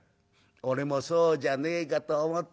「俺もそうじゃねえかと思ったの。